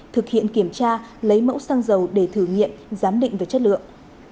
thực hiện kiểm tra lấy mẫu xăng dầu để thử nghiệm giám định về chất lượng